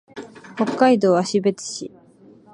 北海道芦別市